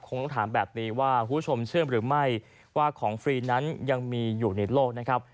คงต้องถามแบบนี้ว่าคุณผู้ชมเชื่อมหรือไม่ว่าของฟรีนั้นยังมีอยู่ในโลกนะครับ